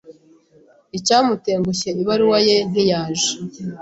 Icyamutengushye, ibaruwa ye ntiyaje.